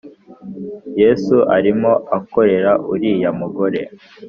Yesu arimo akorera uriya mugore